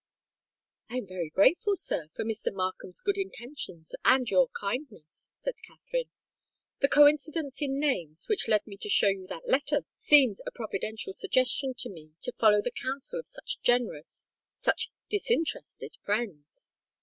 "I am very grateful, sir, for Mr. Markham's good intentions and your kindness," said Katherine. "The coincidence in names, which led me to show you that letter, seems a providential suggestion to me to follow the counsel of such generous—such disinterested friends."